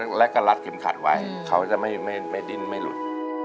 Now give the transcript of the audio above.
ตัดเก็บขัดไว้เขาจะไม่ดิ้นไม่หลุด